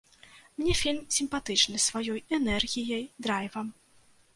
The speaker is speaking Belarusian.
Мне фільм сімпатычны сваёй энергіяй, драйвам.